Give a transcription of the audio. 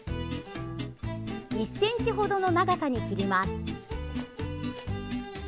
１ｃｍほどの長さに切ります。